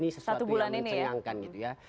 ini sesuatu yang mencengangkan gitu ya